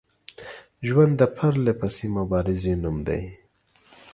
ژوند د پرلپسې مبارزې نوم دی